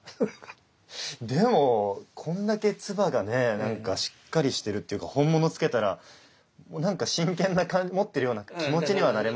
でもこんだけ鐔がねなんかしっかりしてるっていうか本物つけたらなんか真剣持ってるような気持ちにはなれますよね。